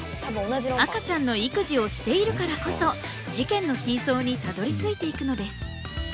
赤ちゃんの育児をしているからこそ事件の真相にたどりついていくのです。